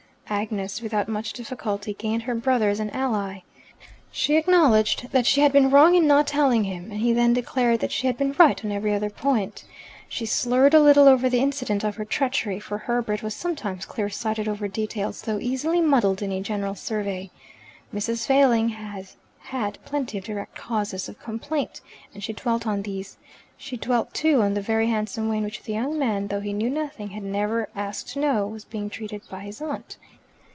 Agnes, without much difficulty, gained her brother as an ally. She acknowledged that she had been wrong in not telling him, and he then declared that she had been right on every other point. She slurred a little over the incident of her treachery, for Herbert was sometimes clearsighted over details, though easily muddled in a general survey. Mrs. Failing had had plenty of direct causes of complaint, and she dwelt on these. She dealt, too, on the very handsome way in which the young man, "though he knew nothing, had never asked to know," was being treated by his aunt.